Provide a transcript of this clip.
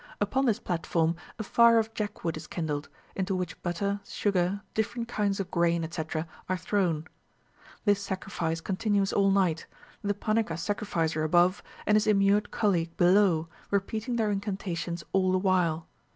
Upon this platform a fire of jackwood is kindled, into which butter, sugar, different kinds of grain, etc., are thrown. This sacrifice continues all night, the Panika sacrificer above, and his immured colleague below, repeating their incantations all the while.